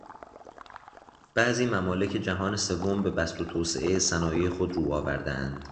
بعضی ممالک جهان سوم به بسط و توسعهٔ صنایع خود رو آورده اند.